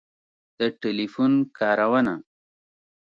د ټیلیفون کارونه